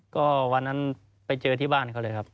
ก็วันนั้นไปเจอที่บ้านเขาเลยครับ